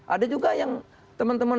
ada juga yang teman teman